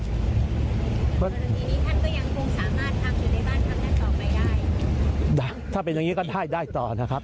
กรณีนี้ท่านก็ยังคงสามารถทำอยู่ในบ้านพักนั้นต่อไปได้ถ้าเป็นอย่างงี้ก็ได้ได้ต่อนะครับ